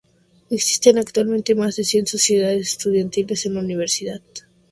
Existen actualmente más de cien sociedades estudiantiles en la universidad.